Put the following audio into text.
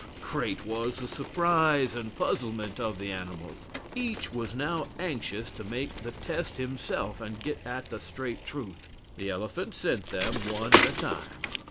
Great was the surprise and puzzlement of the animals. Each was now anxious to make the test himself and get at the straight truth. The elephant sent them one at a time.